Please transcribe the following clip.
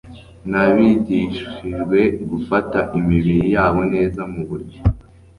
n’abigishijwe gufata imibiri yabo neza mu buryo